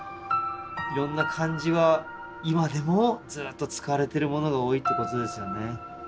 いろんな漢字は今でもずっと使われてるものが多いってことですよね。